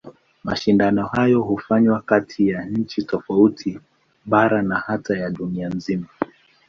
Mashindano hayo hufanywa kati ya nchi tofauti, bara na hata ya dunia nzima.